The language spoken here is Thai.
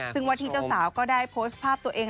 ซึ่งวัดที่เจ้าสาวก็ได้โพสต์ภาพตัวเอง